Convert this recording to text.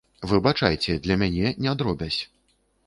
Выбачайце, для мяне не дробязь.